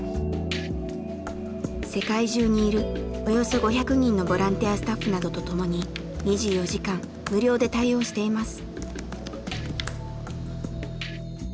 世界中にいるおよそ５００人のボランティアスタッフなどと共に２４時間無料で対応しています。